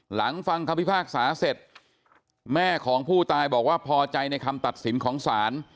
ฟังคำพิพากษาเสร็จแม่ของผู้ตายบอกว่าพอใจในคำตัดสินของศาล